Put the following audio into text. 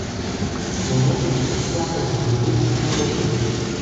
Конете туптяха звънливо по пътя.